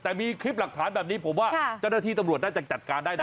แต่มีคลิปหลักฐานแบบนี้ผมว่าเจ้าหน้าที่ตำรวจน่าจะจัดการได้นะ